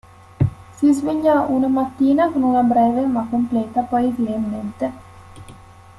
Si svegliò una mattina con una breve, ma completa, poesia in mente.